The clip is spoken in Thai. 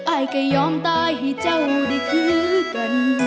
อายก็ยอมตายให้เจ้าได้คือกัน